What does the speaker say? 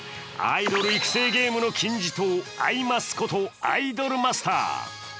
アイドル育成ゲームの金字塔アイマスことアイドルマスター。